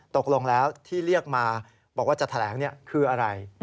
ตกลงแล้วที่เรียกมาบอกว่าจะแถลงคืออะไร